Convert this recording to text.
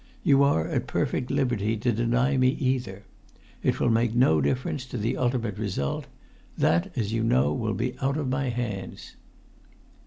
You are at perfect liberty to deny me either. It will make no difference to the ultimate result. That, as you know, will be out of my hands."